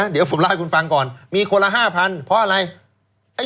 เดี๋ยวผมเล่าให้คุณฟังก่อนมีคนละ๕๐๐เพราะอะไร